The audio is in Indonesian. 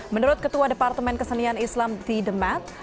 menurut ketua departemen kesenian islam di the mat